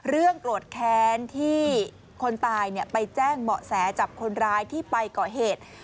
โกรธแค้นที่คนตายไปแจ้งเบาะแสจับคนร้ายที่ไปก่อเหตุ